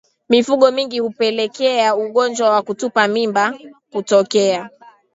Mifugo mingi hupelekea ugonjwa wa kutupa mimba kutokea